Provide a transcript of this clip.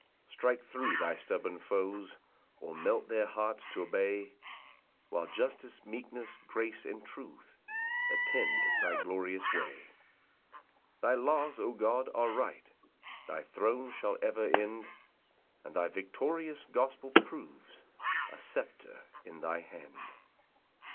Strike thro' thy stubborn foes, Or melt their hearts t'obey, While justice, meekness, grace, and truth, Attend thy glorious way. 4 Thy laws, O God, are right; Thy throne shall ever end; And thy victorious gospel proves A sceptre in thy hand.